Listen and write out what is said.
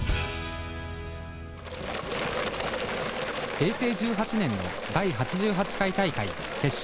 平成１８年の第８８回大会決勝。